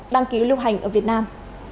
đăng ký lưu hành ở việt nam